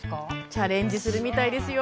チャレンジするみたいですよ。